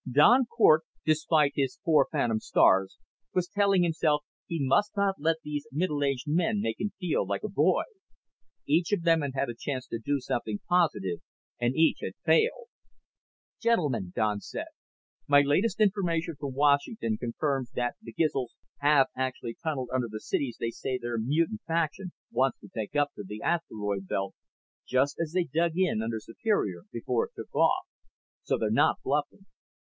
Don Cort, despite his four phantom stars, was telling himself he must not let these middle aged men make him feel like a boy. Each of them had had a chance to do something positive and each had failed. "Gentlemen," Don said, "my latest information from Washington confirms that the Gizls have actually tunneled under the cities they say their militant faction wants to take up to the asteroid belt, just as they dug in under Superior before it took off. So they're not bluffing."